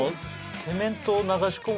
セメントを流し込む？